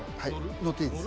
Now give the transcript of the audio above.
乗っていいです。